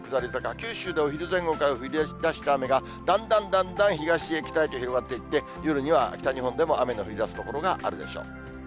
九州でもお昼前後から降りだした雨が、だんだんだんだん東へ北へと広がっていって、夜には北日本でも雨の降りだす所があるでしょう。